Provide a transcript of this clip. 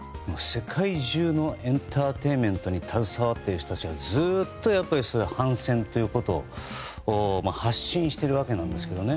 世界中のエンターテインメントに携わる方々が反戦ということを発信してるわけなんですけどね。